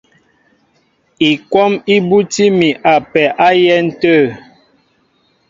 Ikwɔ́m í búti mi a pɛ á yɛ̌n tə̂.